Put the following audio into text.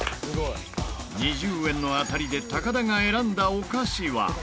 ２０円の当たりで高田が選んだお菓子は。